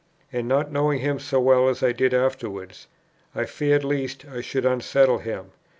And, not knowing him so well as I did afterwards, I feared lest I should unsettle him.